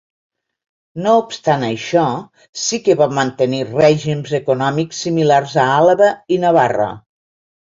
No obstant això, sí que va mantenir règims econòmics similars a Àlaba i Navarra.